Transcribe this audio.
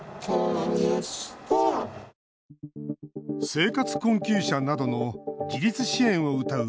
生活困窮者などの自立支援をうたう